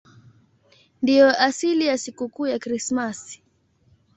Ndiyo asili ya sikukuu ya Krismasi.